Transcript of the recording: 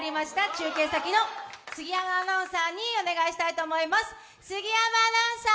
中継先の杉山アナウンサーにお願いしたいと思います。